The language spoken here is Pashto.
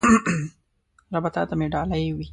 ربه تاته مې ډالۍ وی